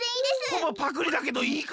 ほぼパクリだけどいいかな？